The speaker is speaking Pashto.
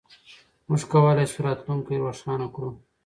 موږ کولای شو راتلونکی روښانه کړو.